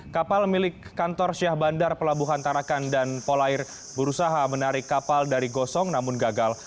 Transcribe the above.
kapal milik kantor syah bandar pelabuhan tarakan dan polair berusaha menarik kapal dari gosong namun gagal